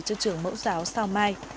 cho trưởng mẫu giáo sao mai